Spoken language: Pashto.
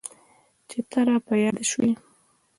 چي ته را په ياد سوې.